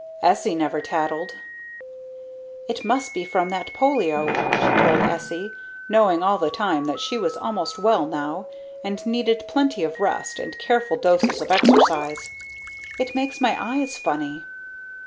Essie never tattled. "It must be from that polio," she told Essie, knowing all the time that she was almost well now and needed plenty of rest and careful doses of exercise. "It makes my eyes funny."